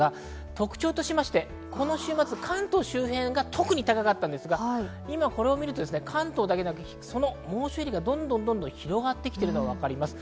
特徴としましてこの週末、関東周辺が特に高かったんですが、今、これを見ると関東だけでなく、その猛暑エリアがどんどん広がってきているのが分かります。